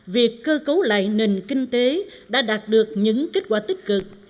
việc cơ cấu lại nền kinh tế đã đạt được những kết quả tích cực